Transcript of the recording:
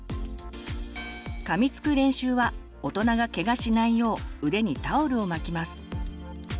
かみつく練習は大人がケガしないよう腕にタオルを巻きます。